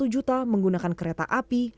tujuh tujuh puluh satu juta menggunakan kereta api